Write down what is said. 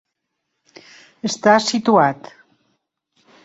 Està situat.